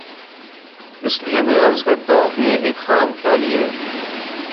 اس لیے میں عرض کرتا ہوں کہ یہ ایک خام خیالی ہے۔